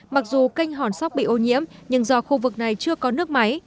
mặc dù canh hòn sóc bị ô nhiễm nhưng do khu vực này chưa có nước máy